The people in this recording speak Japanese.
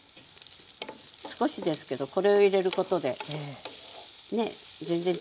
少しですけどこれを入れることでね全然違ってきますからね。